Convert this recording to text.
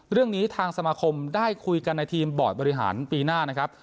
เรื่องนี้ทางสมาคมได้คุยกันในทีมบอร์ดบริหารปีหน้านะครับ